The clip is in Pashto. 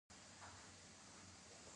په افغانستان کې چرګان ډېر اهمیت لري.